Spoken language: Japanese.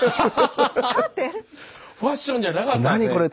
ファッションじゃなかったって。